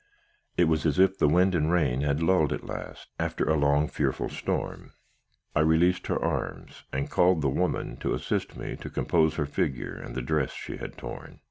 "It was as if the wind and rain had lulled at last, after a long and fearful storm. I released her arms, and called the woman to assist me to compose her figure and the dress she had torn.